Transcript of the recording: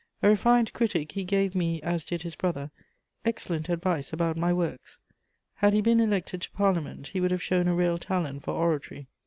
A refined critic, he gave me, as did his brother, excellent advice about my works. Had he been elected to Parliament, he would have shown a real talent for oratory.